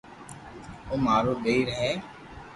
او مارو ٻئير ھي